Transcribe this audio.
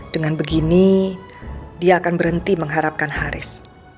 dengan begini dia akan berhenti mengharapkan haris